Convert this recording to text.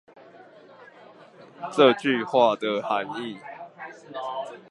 這句話的含義